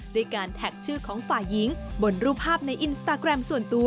ด้วยการแท็กชื่อของฝ่ายหญิงบนรูปภาพในอินสตาแกรมส่วนตัว